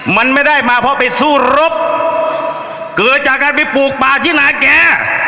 มันไม่ได้มาเพราะไปสู้รบเกิดจากการไปปลูกป่าที่นาแก